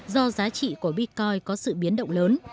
do giá trị của bitcoin có sự biến động lớn